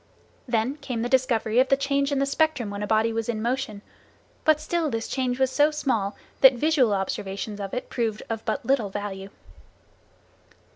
Then came the discovery of the change in the spectrum when a body was in motion, but still this change was so small that visual observations of it proved of but little value.